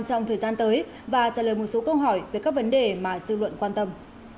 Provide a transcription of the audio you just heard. trong thời gian tới và trả lời một số câu hỏi về các vấn đề mà dư luận quan tâm